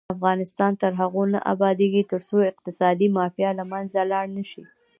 افغانستان تر هغو نه ابادیږي، ترڅو اقتصادي مافیا له منځه لاړه نشي.